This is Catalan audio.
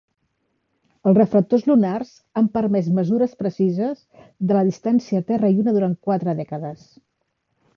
Els reflectors lunars han permès mesures precises de la distància Terra–Lluna durant quatre dècades.